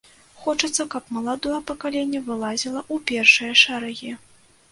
Хочацца, каб маладое пакаленне вылазіла ў першыя шэрагі.